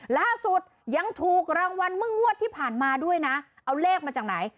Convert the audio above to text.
ล่าสุดยังถูกรางวัลเมื่องวดที่ผ่านมาด้วยนะเอาเลขมาจากไหน